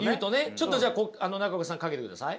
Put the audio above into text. ちょっとじゃあ中岡さんかけてください。